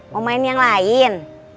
mau main yang lain